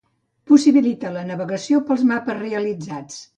Possibilita la navegació pels mapes realitzats.